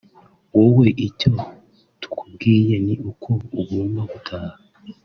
Wowe icyo tukubwiye ni uko ugomba gutaha